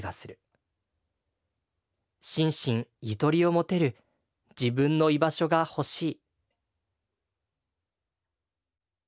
心身ゆとりを持てる自分の居場所がほしい」。